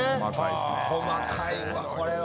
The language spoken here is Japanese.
細かいわこれは。